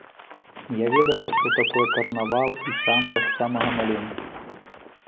Я ведала, што такое карнавал і самба з самага маленства.